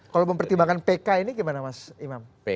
kalau mempertimbangkan pk ini gimana mas imam